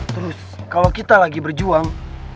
terus kalau kita lagi berjuang